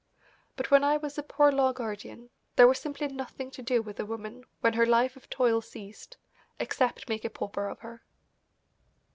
But when I was a Poor Law Guardian there was simply nothing to do with a woman when her life of toil ceased except make a pauper of her.